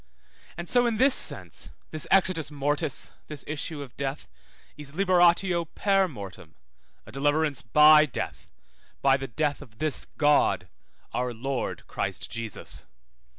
And so in this sense, this exitus mortis, this issue of death, is liberatio per mortem, a deliverance by death, by the death of this God, our Lord Christ Jesus.